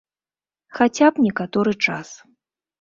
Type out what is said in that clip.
Хаця б некаторы час.